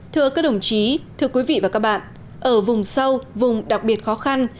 thưa các đồng chí thưa quý vị và các bạn ở vùng sâu vùng đặc biệt khó khăn